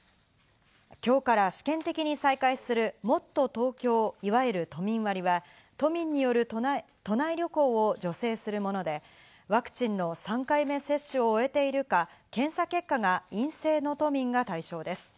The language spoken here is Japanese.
今日から試験的に再開する、もっとＴｏｋｙｏ、いわゆる都民割は都民による都内旅行を助成するもので、ワクチンの３回目接種を終えているか、検査結果が陰性の都民が対象です。